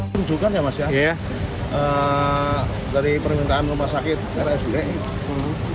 rujukan ya mas ya dari permintaan rumah sakit rsud